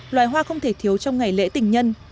loài hoa không thể thiếu trong ngày lễ tình nhân